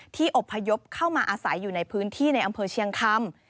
อบพยพเข้ามาอาศัยอยู่ในพื้นที่ในอำเภอเชียงคำ